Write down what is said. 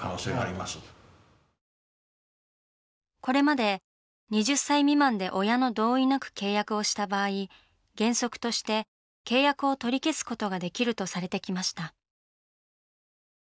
これまで２０歳未満で親の同意なく契約をした場合原則として契約を取り消すことができるとされてきました。